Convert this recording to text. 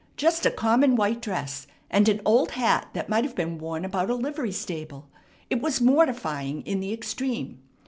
Just a common white dress, and an old hat that might have been worn about a livery stable. It was mortifying in the extreme.